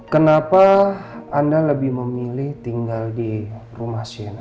kenapa anda lebih memilih tinggal di rumah shane